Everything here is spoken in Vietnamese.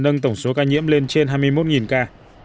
có ca nhiễm lên trên hai mươi một ca